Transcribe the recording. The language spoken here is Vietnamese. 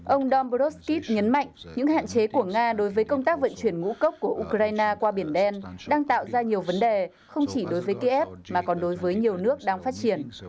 ông domborskid nhấn mạnh những hạn chế của nga đối với công tác vận chuyển ngũ cốc của ukraine qua biển đen đang tạo ra nhiều vấn đề không chỉ đối với kiev mà còn đối với nhiều nước đang phát triển